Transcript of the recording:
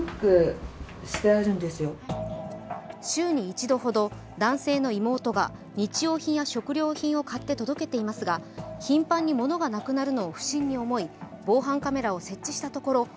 週に一度ほど、男性の妹が日用品や食料品を買って届けていますが頻繁に物がなくなるのを不審に思い防犯カメラを設置したところ